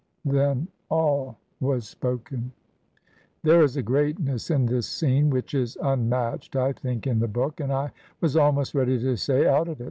Then, all was spoken." There is a greatness in this scene which is unmatched, I think, in the book, and, I was almost ready to say, out of it.